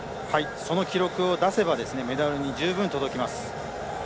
その記録を出せばメダルに十分届きます。